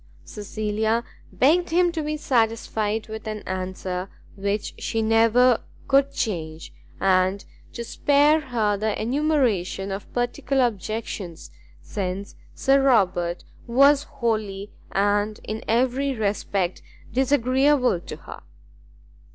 Cecilia begged him to be satisfied with an answer which she never could change, and to spare her the enumeration of particular objections, since Sir Robert was wholly and in every respect disagreeable to her.